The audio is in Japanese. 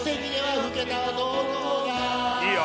いいよ！